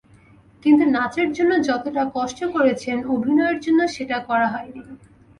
কিন্তু নাচের জন্য যতটা কষ্ট করেছেন, অভিনয়ের জন্য সেটা করা হয়নি।